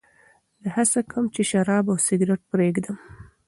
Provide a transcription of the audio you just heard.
زه هڅه کوم چې شراب او سګرېټ پرېږدم.